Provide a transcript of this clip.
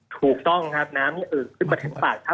ถูกต้องครับน้ำนี่เอิกขึ้นมาถึงปากถ้ำ